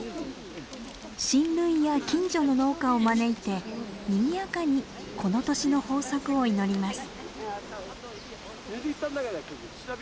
親類や近所の農家を招いてにぎやかにこの年の豊作を祈ります。